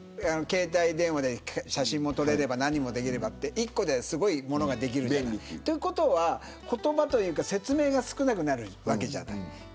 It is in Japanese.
携帯電話で写真も撮れれば何でもできればって一個ですごいものができるじゃない。ということは、言葉というか説明が少なくなるわけじゃん。